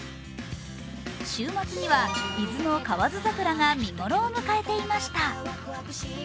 週末には伊豆の河津桜が見頃を迎えていました。